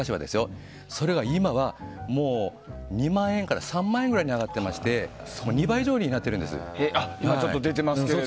それが今は、２万円から３万円ぐらいに上がっていまして２倍以上になっているんです。